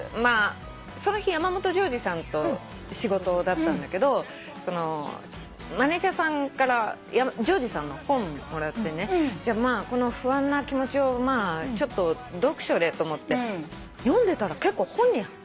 その日山本譲二さんと仕事だったんだけどマネジャーさんから譲二さんの本もらってねこの不安な気持ちを読書でと思って読んでたら結構本に入り込んじゃって。